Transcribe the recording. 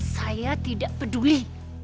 saya tidak peduli